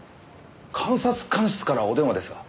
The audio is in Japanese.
監察官室からお電話ですが。